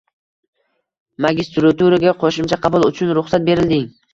Magistraturaga qo‘shimcha qabul uchun ruxsat berilding